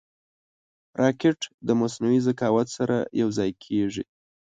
راکټ د مصنوعي ذکاوت سره یوځای کېږي